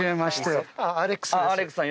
アレックスさん